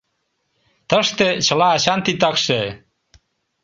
Тыште — чыла ачан титакше.